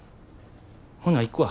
ほな行くわ。